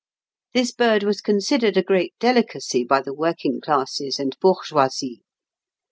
This bird was considered a great delicacy by the working classes and bourgeoisie.